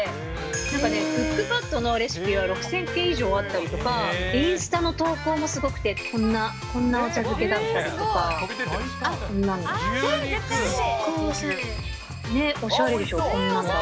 なんかクックパッドのレシピは６０００件以上あったりとか、インスタの投稿もすごくて、こんなお茶漬けだったりとか、すっごいおしゃれ。